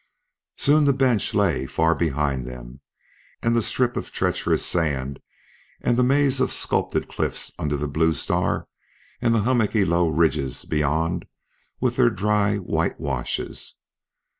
Soon the bench lay far behind them, and the strip of treacherous sand, and the maze of sculptured cliff under the Blue Star, and the hummocky low ridges beyond, with their dry white washes.